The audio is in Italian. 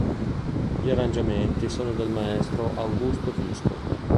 Gli arrangiamenti sono del maestro Augusto Visco.